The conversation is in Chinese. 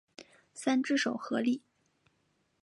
三只手合力。